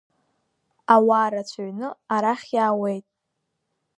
Ауаа рацәаҩны арахь иаауеит!